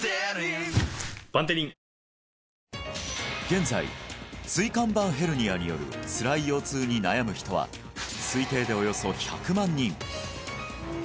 現在椎間板ヘルニアによるつらい腰痛に悩む人は推定でおよそ１００万人